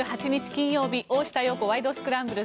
金曜日「大下容子ワイド！スクランブル」。